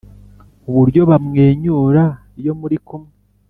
Uburyo bamwenyura iyo muri kumwe